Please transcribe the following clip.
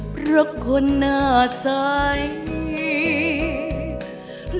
รูปสุดงามสมสังคมเครื่องใครแต่หน้าเสียดายใจทดสกัน